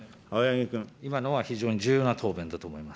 今のは非常に重要な答弁だと思います。